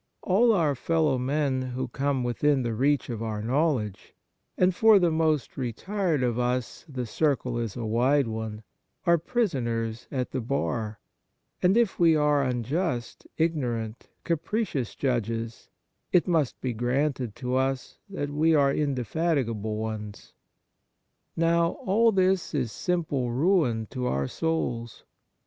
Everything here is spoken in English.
All our fellow men who come within the reach of our knowledge — and for the most retired of us the circle is a wdde one — are prisoners at the bar ; and if we are unjust, ignorant, capricious judges, it must be granted to us that we are indefatigable ones. Now, all this is simple ruin to our souls.